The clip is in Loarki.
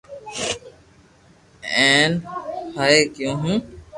ھين ھاي ڪيو ھون